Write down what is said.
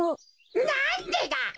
なんでだ？